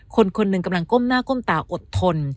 คนหนึ่งกำลังก้มหน้าก้มตาอดทน